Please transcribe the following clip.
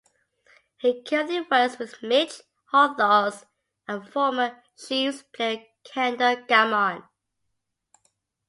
He currently works with Mitch Holthus and former Chiefs player Kendall Gammon.